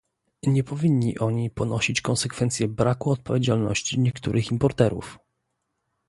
Nie powinni oni ponosić konsekwencji braku odpowiedzialności niektórych importerów